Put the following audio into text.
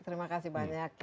terima kasih banyak